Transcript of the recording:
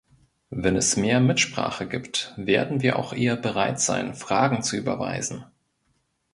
Wenn es mehr Mitsprache gibt, werden wir auch eher bereit sein, Fragen zu überweisen.